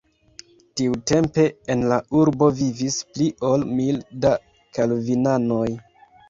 Tiutempe en la urbo vivis pli ol mil da kalvinanoj.